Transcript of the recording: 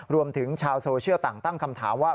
รวมถึงชาวโซเชียลต่างตั้งคำถามว่า